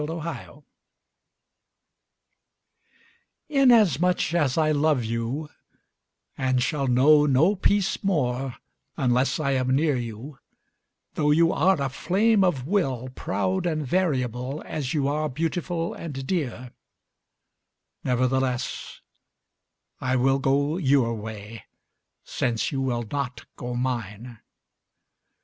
NEVERTHELESS Inasmuch as I love you And shall know no peace more unless I am near you, Though you are a flame of will Proud and variable as you are beautiful and dear â Nevertheless I will go your way. Since you will not go mine.